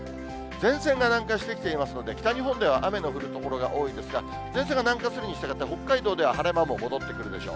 前線が南下してきていますので、北日本では雨の降る所が多いですが、前線が南下するにしたがって、北海道では晴れ間も戻ってくるでしょう。